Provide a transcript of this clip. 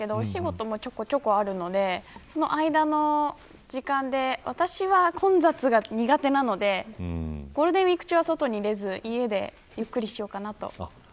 私はまだ何も決めていないんですけどお仕事、ちょこちょこあるのでその間の時間で、私は混雑が苦手なのでゴールデンウイーク中は外に出ず家でゆっくりしようかなと。